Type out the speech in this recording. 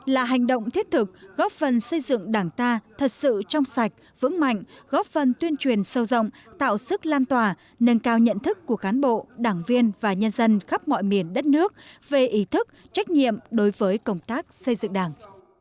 là hành động thiết thực góp phần xây dựng đảng ta thật sự trong sạch vững mạnh góp phần tuyên truyền sâu rộng tạo sức lan tỏa nâng cao nhận thức của cán bộ đảng viên và nhân dân khắp mọi miền đất nước về ý thức trách nhiệm đối với công tác xây dựng đảng